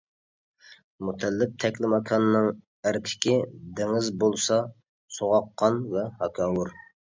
مۇتەللىپ تەكلىماكاننىڭ ئەركىكى، دېڭىز بولسا سوغۇققان ۋە ھاكاۋۇر.